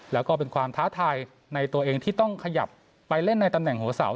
แล้วก็เป็นความท้าทายในตัวเองที่ต้องขยับไปเล่นในตำแหน่งหัวเสา